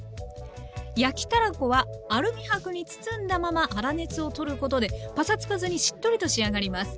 焼きたらこはアルミ箔に包んだまま粗熱をとることでパサつかずにしっとりと仕上がります。